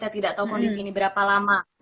saya tidak tahu kondisi ini berapa lama